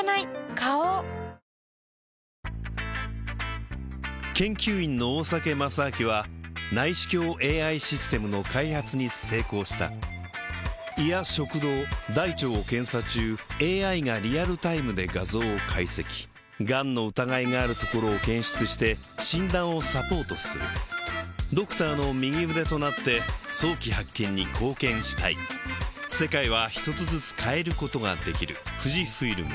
花王研究員の大酒正明は内視鏡ＡＩシステムの開発に成功した胃や食道大腸を検査中ＡＩがリアルタイムで画像を解析がんの疑いがあるところを検出して診断をサポートするドクターの右腕となって早期発見に貢献したい［ウワサ激辛部が］